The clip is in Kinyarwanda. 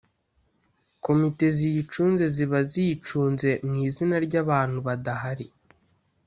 komite ziyicunze ziba ziyicunze mu izina rya ba bantu badahari